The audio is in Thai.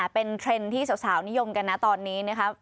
เป็นเทรนด์ที่สาวนิยมกันนะตอนนี้นะครับ